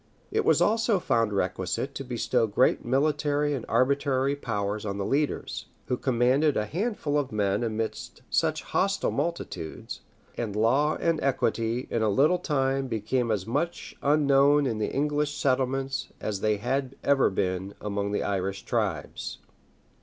It was also found requisite to bestow great military and arbitrary powers on the leaders, who commanded a handful of men amidst such hostile multitudes; and law and equity, in a little time, became as much unknown in the English settlements, as they had ever been among the Irish tribes.